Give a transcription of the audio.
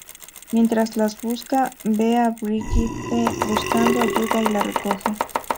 Mientras las busca, ve a Brigitte buscando ayuda y la recoge.